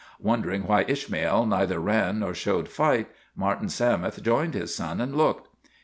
Wondering why Ishmael neither ran nor showed fight, Martin Sammis joined his son and looked.